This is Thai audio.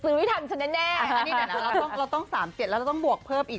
คนอื่นคงซื้อไม่ทันฉันแน่แน่อันนี้ไหนนะเราต้องเราต้องสามเจ็ดแล้วเราต้องบวกเพิ่มอีก